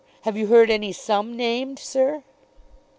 Have you heard any sum named, sir?"